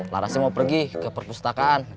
larasnya mau pergi ke perpustakaan